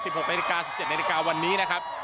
๑๖นาฬิกา๑๗นาฬิกาวันนี้นะครับ